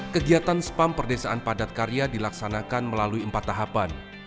kegiatan spam perdesaan padat karya dilaksanakan melalui empat tahapan